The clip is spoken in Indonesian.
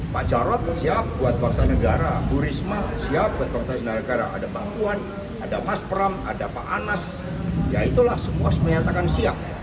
pak jarod siap buat bangsa negara bu risma siap buat bangsa dan negara ada mbak puan ada mas pram ada pak anas ya itulah semua menyatakan siap